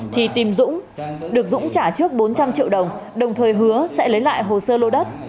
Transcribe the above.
thì tìm dũng được dũng trả trước bốn trăm linh triệu đồng đồng thời hứa sẽ lấy lại hồ sơ lô đất